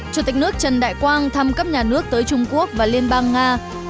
chủ tịch nước trần đại quang thăm cấp nhà nước tới trung quốc và liên bang nga